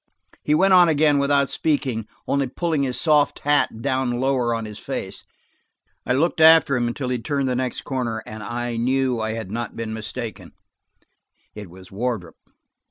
He went on again without speaking, only pulling his soft hat down lower on his face. I looked after him until he turned the next corner, and I knew I had not been mistaken; it was Wardrop.